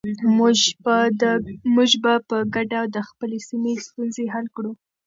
موږ به په ګډه د خپلې سیمې ستونزې حل کړو.